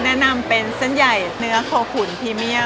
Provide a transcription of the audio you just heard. แนะนำเป็นเส้นใหญ่เนื้อโคขุนพรีเมียม